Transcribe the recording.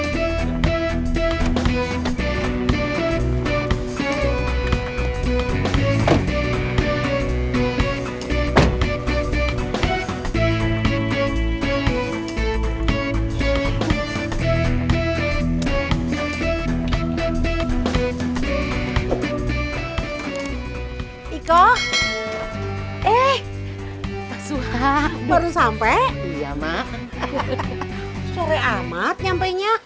tiko eh pasukan baru sampai iya mah sore amat nyampainya